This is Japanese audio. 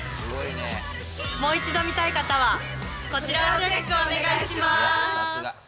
もう一度見たい方はこちらをチェックお願いします。